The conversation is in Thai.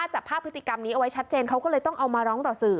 จับภาพพฤติกรรมนี้เอาไว้ชัดเจนเขาก็เลยต้องเอามาร้องต่อสื่อ